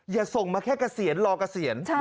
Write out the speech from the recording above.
อย่าส่งมาแค่เกษียณรอเกษียณ